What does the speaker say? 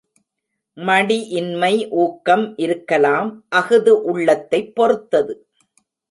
மடி இன்மை ஊக்கம் இருக்கலாம் அஃது உள்ளத்தைப் பொறுத்தது.